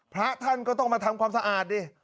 พระท่านก็ต้องมาทำความสะอาดดิ